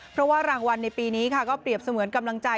เพราะว่ารางวัลในปีนี้ค่ะก็เปรียบเสมือนกำลังใจ